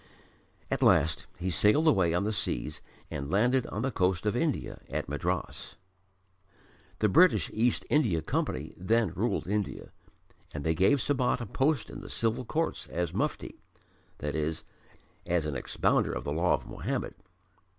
At last he sailed away on the seas and landed on the coast of India at Madras. The British East India Company then ruled in India, and they gave Sabat a post in the civil courts as mufti, i.e. as an expounder of the law of Mohammed.